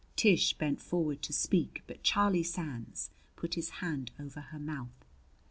Tish bent forward to speak, but Charlie Sands put his hand over her mouth.